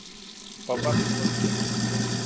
په برق نیول شوي